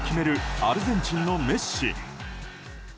アルゼンチンのメッシ。